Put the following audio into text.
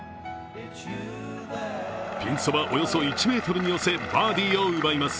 ピンそば、およそ１ｍに寄せバーディーを奪います。